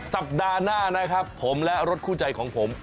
สัปดาห์หน้านะครับผมและรถคู่ใจของผม